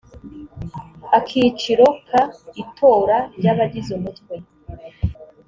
akiciro ka itora ry abagize umutwe